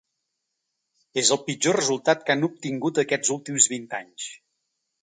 És el pitjor resultat que han obtingut aquests últims vint anys.